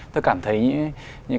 tôi cảm thấy những